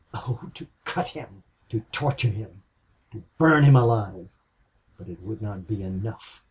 "Oh, to cut him to torture him to burn him alive... But it would not be enough!"